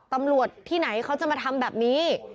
ตำรวจที่ไหนเขาจะมาทำแบบนี้